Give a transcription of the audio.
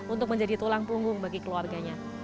untuk menjadi tulang punggung bagi keluarganya